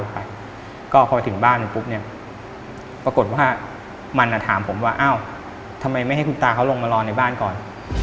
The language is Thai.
พอไปถึงบ้านปุ๊บเนี่ยปรากฏว่ามันถามผมว่าอ้าวทำไมไม่ให้คุณตาเขาลงมารอในบ้านก่อน